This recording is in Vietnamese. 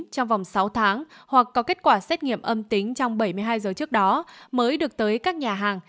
trong vòng sáu tháng hoặc có kết quả xét nghiệm âm tính trong bảy mươi hai giờ trước đó mới được tới các nhà hàng